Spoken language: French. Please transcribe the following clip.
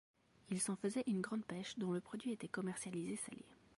Il s'en faisait une grande pêche, dont le produit était commercialisé salé.